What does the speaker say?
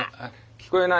聞こえない。